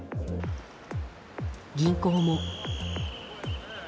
銀行も。